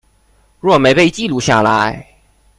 若没被记录下来